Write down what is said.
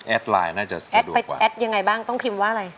แอดไลน์น่าจะสะดวกกว่าแอดยังไงบ้างต้องพิมพ์ว่าอะไร